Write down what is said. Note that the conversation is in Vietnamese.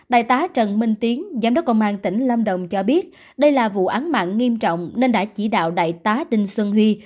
đại tá trần minh tiến giám đốc công an tỉnh lâm đồng cho biết đây là vụ án mạng nghiêm trọng nên đã chỉ đạo đại tá đinh xuân huy